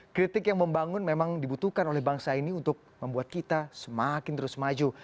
kritik yang membangun memang dibutuhkan oleh bangsa ini untuk membuat kita semakin terus maju